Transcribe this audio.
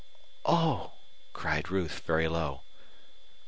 "Oh!" cried Ruth, very low.